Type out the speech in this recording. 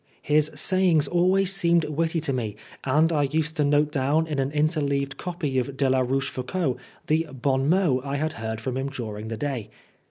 His sayings always seemed witty to me, and I used to note down in an interleaved copy of de la Roche foucauld the bons mots I had heard from him during the day.